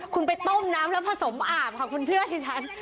คุณไปต้มน้ำแล้วผสมอาบค่ะคุณเชื่อดิฉัน